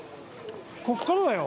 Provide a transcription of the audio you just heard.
こっからだよ。